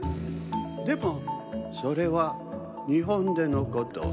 でもそれはにほんでのこと。